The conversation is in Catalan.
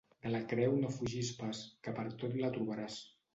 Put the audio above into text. De la creu no fugis pas, que pertot la trobaràs.